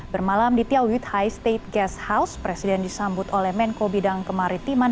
bermalam di tiawit high state guest house presiden disambut oleh menko bidang kemaritiman